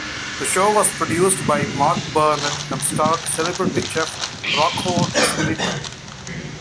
The show was produced by Mark Burnett and starred celebrity chef Rocco DiSpirito.